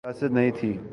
ریاست نئی تھی۔